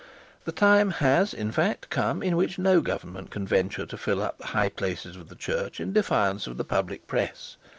'The time has, in fact, come in which no government can venture to fill up the high places of the Church in defiance of the public press.